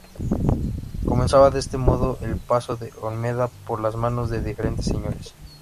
Comenzaba de este modo el paso de Olmeda por las manos de diferentes señores.